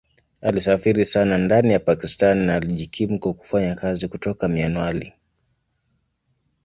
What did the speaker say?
Alisafiri sana ndani ya Pakistan na akajikimu kwa kufanya kazi kutoka Mianwali.